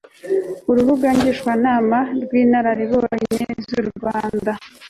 urubuga ngishwanama rw'inararibonye z'u rwanda